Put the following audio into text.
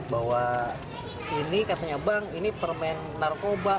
bahwa ini katanya bang ini permen narkoba